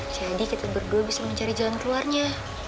jadi kita berdua bisa mencari jalan keluarnya